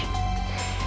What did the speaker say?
ayah anda aku berjanji